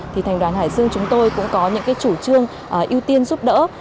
thì thành đoàn hải dương chúng tôi cũng có những chủ trương ưu tiên giúp đỡ